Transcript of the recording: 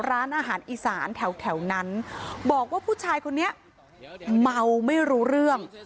ร้านอาหารอีสานแถวนั้นบอกว่าผู้ชายคนนี้เมาไม่รู้เรื่อง